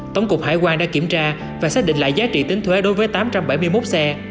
tổng cục hải quan đã kiểm tra và xác định lại giá trị tính thuế đối với tám trăm bảy mươi một xe